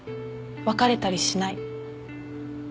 別れたりしない。